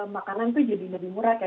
makanan itu jadi lebih murah